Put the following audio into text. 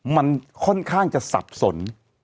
มันค่อนข้างจะสับสน